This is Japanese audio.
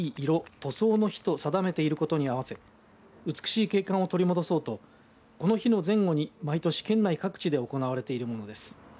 塗装の日と定めていることに合わせ美しい景観を取り戻そうとこの日の前後に毎年県内各地で行われているものです。